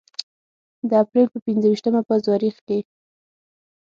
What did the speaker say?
د اپریل په پنځه ویشتمه په زوریخ کې.